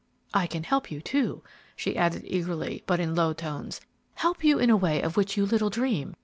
I can help you, too," she added, eagerly, but in low tones, "help you in a way of which you little dream.